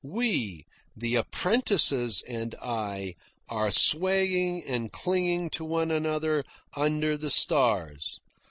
We the apprentices and I are swaying and clinging to one another under the stars.